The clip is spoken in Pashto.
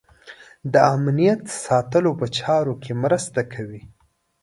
د امنیت ساتلو په چارو کې مرسته کوي.